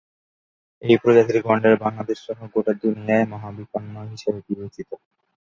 এই প্রজাতির গণ্ডার বাংলাদেশসহ গোটা দুনিয়ায় মহাবিপন্ন হিসেবে বিবেচিত।